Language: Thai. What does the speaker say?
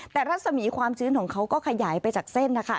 แต่รัศมีความชื้นของเขาก็ขยายไปจากเส้นนะคะ